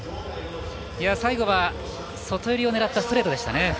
最後は外寄りをねらったストレートでしたよね。